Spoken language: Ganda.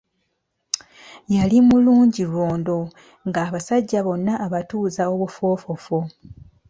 Yali mulungi lwondo nga abasajja bonna abatuuza obufoofofo.